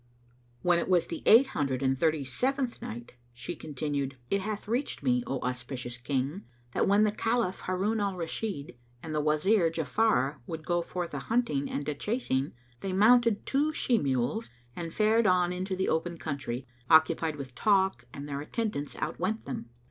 When it was the Eight Hundred and Thirty seventh Night, She continued, It hath reached me, O auspicious King, that when the Caliph Harun al Rashid and the Wazir Ja'afar would go forth a hunting and a chasing, they mounted two she mules and fared on into the open country, occupied with talk, and their attendants outwent them.